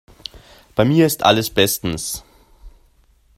Bei mir ist alles bestens.